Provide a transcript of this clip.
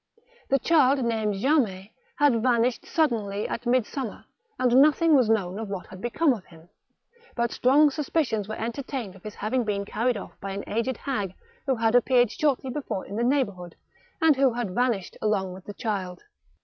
This child, named Jamet, had vanished suddenly at midsummer, and nothing was known of what had become of him ; but strong suspicions were entertained of his having been carried oflf by an aged hag who had appeared shortly before in the neighbourhood, and who had vanished along with the child.